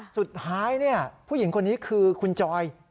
สุดท้ายผู้หญิงคนนี้คือคุณจอย